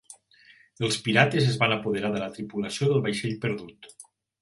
Els pirates es van apoderar de la tripulació del vaixell perdut.